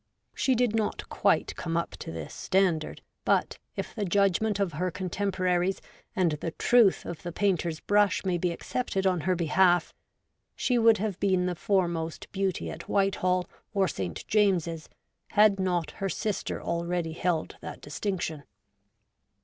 She did not quite Sarah, Duchess of Marlborough. SOME OLD TIME TERMAGANTS. 8i come up to this standard, but, if the judgment of her contemporaries and the truth of the painter's brush may be accepted on her behalf, she would have been the foremost beauty at Whitehall or Saint James's had not her sister already held that distinction.